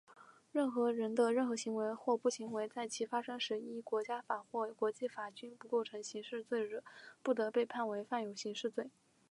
任何人的任何行为或不行为,在其发生时依国家法或国际法均不构成刑事罪者,不得被判为犯有刑事罪。